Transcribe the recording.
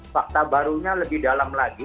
fakta barunya lebih dalam lagi